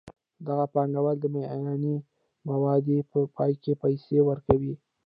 دغه پانګوال د معینې مودې په پای کې پیسې ورکوي